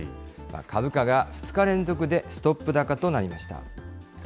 株価が２日連続でストップ高となりました。